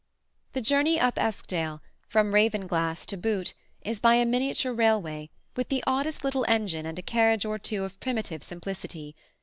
The journey up Eskdale, from Ravenglass to Boot, is by a miniature railway, with the oddest little engine and a carriage or two of primitive simplicity.